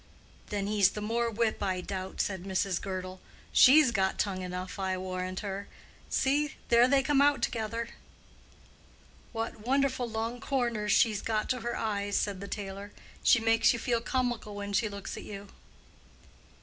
"Then he's the more whip, I doubt," said Mrs. Girdle. "She's got tongue enough, I warrant her. See, there they come out together!" "What wonderful long corners she's got to her eyes!" said the tailor. "She makes you feel comical when she looks at you."